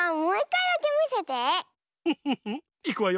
いくわよ。